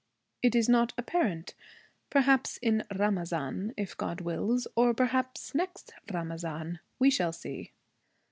'It is not apparent. Perhaps in Ramazan, if God wills. Or perhaps next Ramazan. We shall see.'